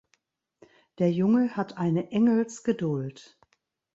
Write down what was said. Der Junge hat eine Engelsgeduld.